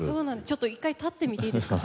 ちょっと１回立ってみていいですか？